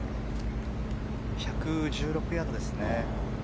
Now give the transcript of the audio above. １１６ヤードですね。